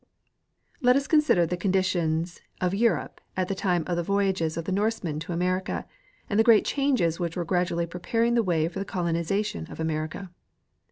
Let us consider the condition of Europe at the time of the voy ages of the Northmen to America, and the great changes which were gradually preparing the way for the colonization of America.